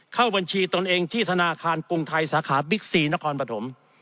เข้าบัญชีตนเองที่ธนาคารกรุงไทยสาขาบิ๊กซีนครปฐม